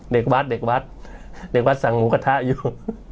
เด็กวัดเด็กวัดเด็กวัดสั่งหมูกระทะอยู่